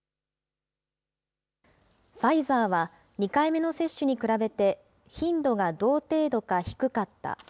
ファイザーは２回目の接種に比べて頻度が同程度か低かった。